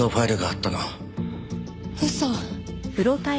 嘘。